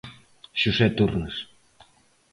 Xosé Turnes.